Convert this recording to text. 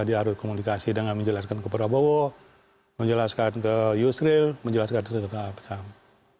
dia harus komunikasi dengan menjelaskan ke prabowo menjelaskan ke yusril menjelaskan ke setiap persama